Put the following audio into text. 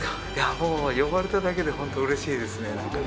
もう呼ばれただけでホント、うれしいですね。